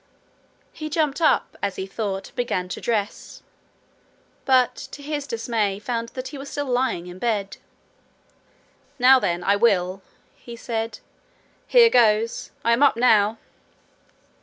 He jumped up, as he thought, and began to dress, but, to his dismay, found that he was still lying in bed. 'Now then, I will!' he said. 'Here goes! I am up now!'